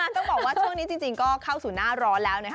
ต้องบอกว่าช่วงนี้จริงก็เข้าสู่หน้าร้อนแล้วนะคะ